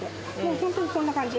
本当にこんな感じ。